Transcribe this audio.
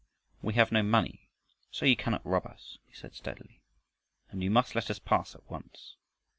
"We have no money, so you cannot rob us," he said steadily, "and you must let us pass at once.